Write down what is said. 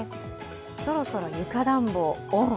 そろそろ床暖房オン。